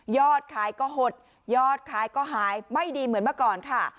ขายก็หดยอดขายก็หายไม่ดีเหมือนเมื่อก่อนค่ะ